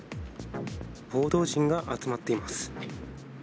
報道陣が集まっています。